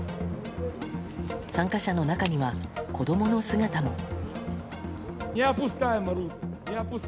参加者の中には子供の姿も。